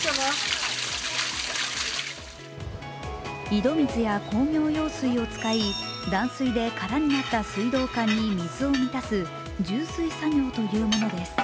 井戸水や工業用水を使い断水で空になった水道管に水を満たす充水作業というものです。